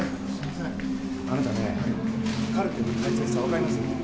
あなたねカルテの大切さ分かります？